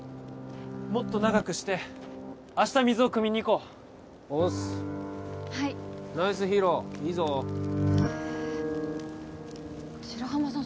もっと長くして明日水をくみに行こうオッスはいナイスヒーローいいぞへ白浜さん